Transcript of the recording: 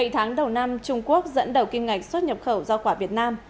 bảy tháng đầu năm trung quốc dẫn đầu kim ngạch xuất nhập khẩu do quả việt nam